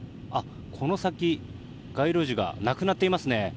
この先、街路樹がなくなっていますね。